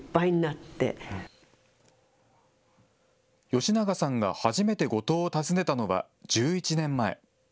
吉永さんが初めて五島を訪ねたのは１１年前。